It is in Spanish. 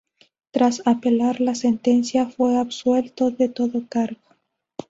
Tras apelar la sentencia, fue absuelto de todo cargo.